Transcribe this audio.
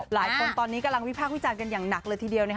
หลายคนตอนนี้กำลังวิพากษ์วิจารณ์กันอย่างหนักเลยทีเดียว